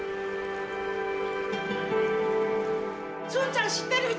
スンちゃん知ってる人？